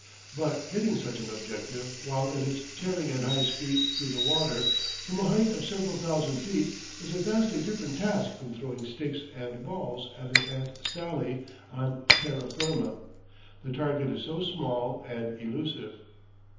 But hitting such an objective while it is tearing at high speed through the water, from a height of several thousand feet is a vastly different task from throwing sticks and balls at an Aunt Sally on terra firma: the target is so small and elusive.